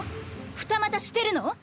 二股してるの？